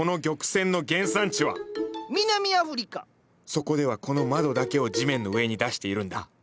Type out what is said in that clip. そこではこの窓だけを地面の上に出しているんだ。